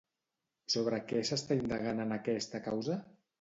Sobre què s'està indagant en aquesta causa?